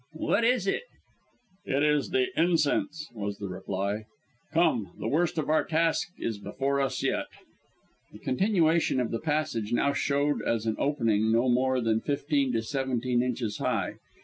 "What is it?" "It is the incense," was the reply. "Come! The worst of our task is before us yet." The continuation of the passage now showed as an opening no more than fifteen to seventeen inches high.